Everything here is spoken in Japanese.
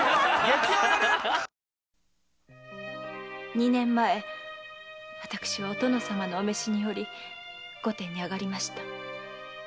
二年前私はお殿様のお召しにより御殿に上がりました。